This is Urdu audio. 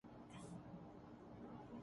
اس سے مستقبل میں کسی بھی بحران کو روکا